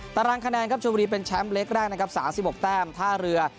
ตารางคะแนนครับชวนบุรีเป็นแชมป์เล็กแรกนะครับ๓๖แต้มท่าเรือ